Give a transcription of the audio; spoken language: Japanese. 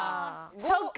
そっか。